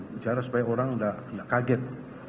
bicara supaya orang tidak kaget